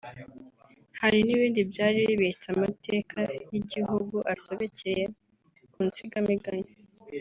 Hari n’ibindi byari bibitse amateka y’igihugu asobekeye mu nsigamigani